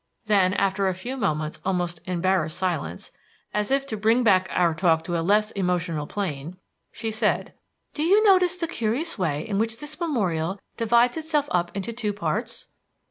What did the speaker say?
Then, after a few moments' almost embarrassed silence, as if to bring back our talk to a less emotional plane, she said: "Do you notice the curious way in which this memorial divides itself up into two parts?"